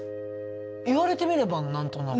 言われてみれば何となく。